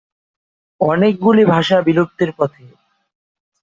অনেকগুলি ভাষা বিলুপ্তির পথে।